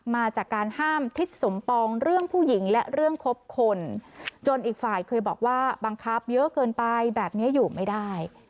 มาจากการห้ามทิศสมปองเรื่องผู้หญิงและเรื่องครบคนจนอีกฝ่ายเคยบอกว่าบังคับเยอะเกินไปแบบนี้อยู่ไม่ได้